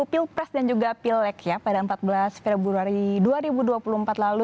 pilpres dan juga pilek ya pada empat belas februari dua ribu dua puluh empat lalu